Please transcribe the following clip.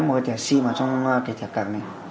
nắm một cái thẻ sim vào trong cái thẻ càng này